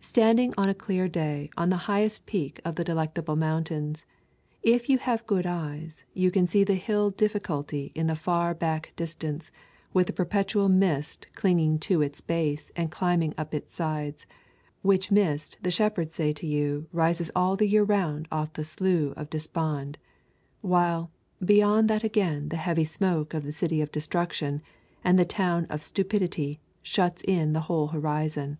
Standing on a clear day on the highest peak of the Delectable Mountains, if you have good eyes you can see the hill Difficulty in the far back distance with a perpetual mist clinging to its base and climbing up its sides, which mist the shepherds say to you rises all the year round off the Slough of Despond, while, beyond that again the heavy smoke of the city of Destruction and the town of Stupidity shuts in the whole horizon.